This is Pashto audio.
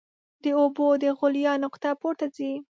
د اوبو د غلیان نقطه پورته ځي.